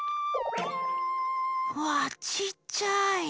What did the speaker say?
わあちっちゃい！